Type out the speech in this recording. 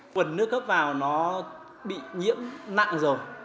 quần nước gấp vào nó bị nhiễm nặng rồi